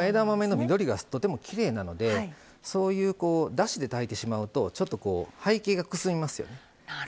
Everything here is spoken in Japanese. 枝豆の緑がとてもきれいなのでだしで炊いてしまうとちょっと背景がくすみますよね。